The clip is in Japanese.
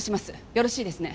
よろしいですね？